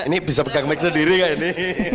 ini bisa pegang mic sendiri kali ini